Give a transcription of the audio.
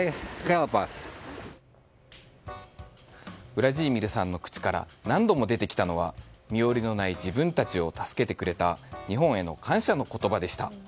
ウラジーミルさんの口から何度も出てきたのは身寄りのない自分たちを助けてくれた日本への感謝の言葉でした。